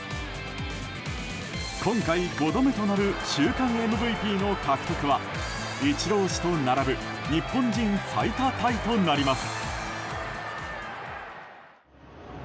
今回５度目となる週間ＭＶＰの獲得はイチロー氏と並ぶ日本人最多タイとなります。